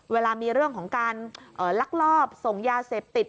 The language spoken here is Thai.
เวลามีเรื่องของการลักลอบส่งยาเสพติด